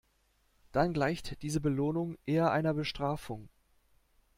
Dann gleicht diese Belohnung eher einer Bestrafung.